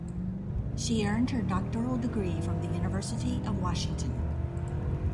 She earned her doctoral degree from the University of Washington.